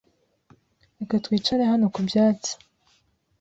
Reka twicare hano ku byatsi.